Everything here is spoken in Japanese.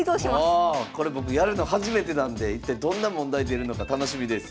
これ僕やるの初めてなんで一体どんな問題出るのか楽しみです。